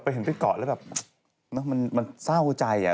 ปีนึงแล้วเนอะไวเหมือนกันน่ะอ่ะช่วงหน้า